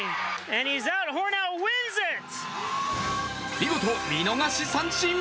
見事、見逃し三振！